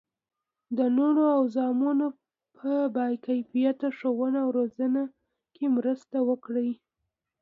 د لوڼو او زامنو په باکیفیته ښوونه او روزنه کې مرسته وکړي.